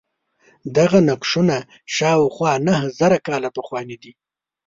دغه نقشونه شاوخوا نهه زره کاله پخواني دي.